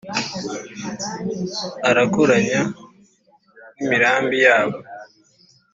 arakoranya n'imirambi yabo